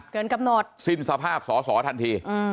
เกินกำหนดสิ้นสภาพสอสอทันที